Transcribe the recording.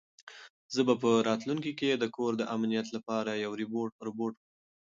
زه به په راتلونکي کې د کور د امنیت لپاره یو روبوټ واخلم.